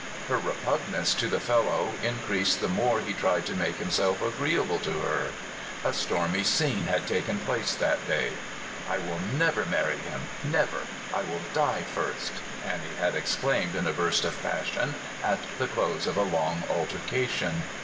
Her repugnance to the fellow in creased the more he tried to make himself agreeable to her. A stormy scene had taken place that day. "I will never marr}' him— never! I will die first! " Annie had exclaimed in a burst of passion, at the close of a long altercation.